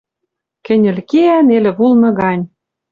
Кӹньӹл кеӓ нелӹ вулны гань.